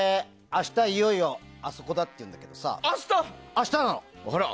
明日、いよいよあそこだっていうんだけどさ。